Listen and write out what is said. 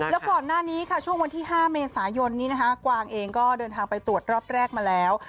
แล้วก่อนหน้านี้ค่ะช่วงวันที่๕เมษายนนี้นะคะกวางเองก็เดินทางไปตรวจรอบแรกมาแล้ว